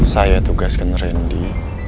saya tugaskan rendy